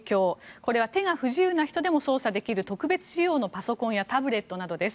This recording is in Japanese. これは手が不自由な人でも操作できる特別仕様のパソコンやタブレットなどです。